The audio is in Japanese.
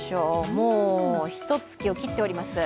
もうひとつきを切っております。